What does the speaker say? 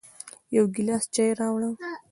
يو ګیلاس چای راوړه